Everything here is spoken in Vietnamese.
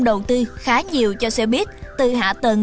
đầu tư khá nhiều cho xe buýt từ hạ tầng